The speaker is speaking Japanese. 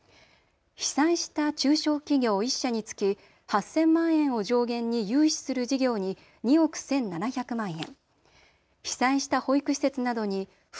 被災した中小企業１社につき８０００万円を上限に融資する事業に２億１７００万円。